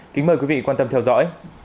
kính mời quý vị quan tâm theo dõi